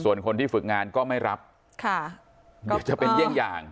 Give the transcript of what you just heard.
ส่วนคนที่ฝึกงานก็ไม่รับค่ะเดี๋ยวจะเป็นเยี่ยงอย่าง